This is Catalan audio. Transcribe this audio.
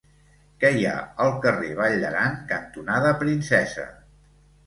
Què hi ha al carrer Vall d'Aran cantonada Princesa?